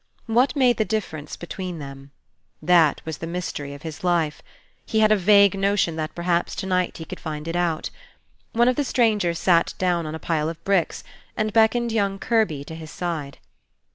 What made the difference between them? That was the mystery of his life. He had a vague notion that perhaps to night he could find it out. One of the strangers sat down on a pile of bricks, and beckoned young Kirby to his side.